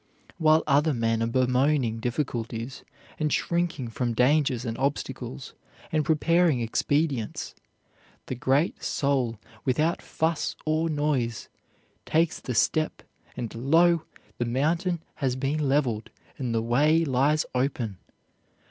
While other men are bemoaning difficulties and shrinking from dangers and obstacles, and preparing expedients, the great soul, without fuss or noise, takes the step, and lo, the mountain has been leveled and the way lies open.